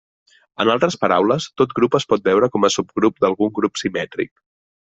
En altres paraules, tot grup es pot veure com a subgrup d'algun grup simètric.